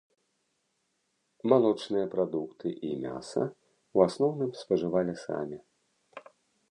Малочныя прадукты і мяса ў асноўным спажывалі самі.